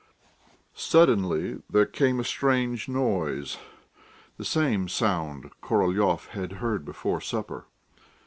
Suddenly there came a strange noise, the same sound Korolyov had heard before supper.